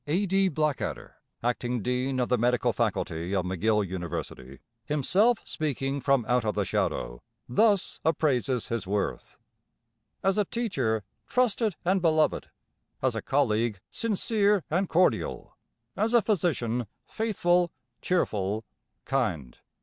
A. D. Blackader, acting Dean of the Medical Faculty of McGill University, himself speaking from out of the shadow, thus appraises his worth: "As a teacher, trusted and beloved; as a colleague, sincere and cordial; as a physician, faithful, cheerful, kind.